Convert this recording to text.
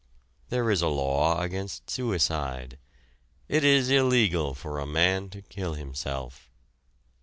There is a law against suicide. It is illegal for a man to kill himself.